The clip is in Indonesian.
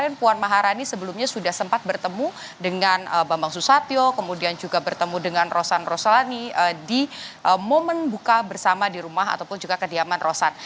kemudian puan maharani sebelumnya sudah sempat bertemu dengan bambang susatyo kemudian juga bertemu dengan rosan roslani di momen buka bersama di rumah ataupun juga kediaman rosan